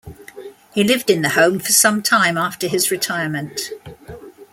He lived in the home for some time after his retirement.